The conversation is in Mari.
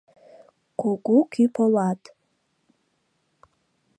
Кугу кӱ полат.